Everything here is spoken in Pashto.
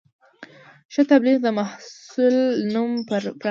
ښه تبلیغ د محصول نوم پراخوي.